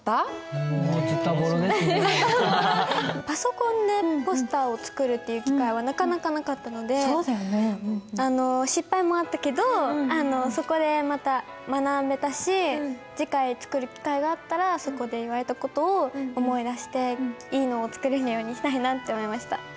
パソコンでポスターを作るっていう機会はなかなかなかったので失敗もあったけどそこでまた学べたし次回作る機会があったらそこで言われた事を思い出していいのを作れるようにしたいなって思いました。